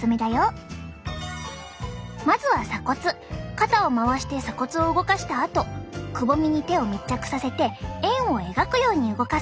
肩を回して鎖骨を動かしたあとくぼみに手を密着させて円を描くように動かす。